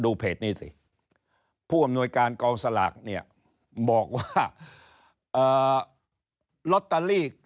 เพจนี้สิผู้อำนวยการกองสลากเนี่ยบอกว่าลอตเตอรี่